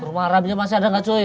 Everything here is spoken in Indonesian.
rumah arabnya masih ada gak cuy